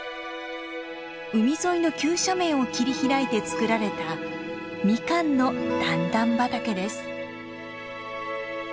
海沿いの急斜面を切り開いて作られたミカンの段々畑です。